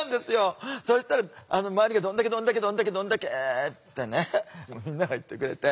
そしたら周りが「どんだけどんだけどんだけどんだけ！」ってねみんなが言ってくれて。